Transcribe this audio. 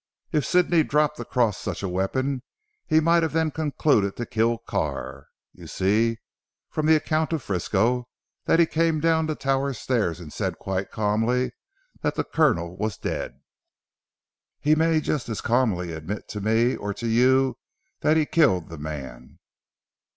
If Sidney dropped across such a weapon he might have then concluded to kill Carr. You see, from the account of Frisco, that he came down the Tower stairs and said, quite calmly, that the Colonel was dead. He may just as calmly admit to me or to you that he killed the man."